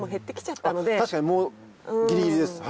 確かにもうギリギリです。